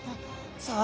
さあ